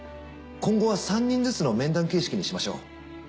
今後は３人ずつの面談形式にしましょう。